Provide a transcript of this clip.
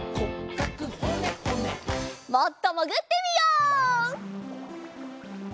もっともぐってみよう。